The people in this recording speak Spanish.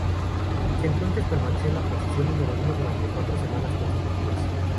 Desde entonces permaneció en la posición número uno durante cuatro semanas consecutivas.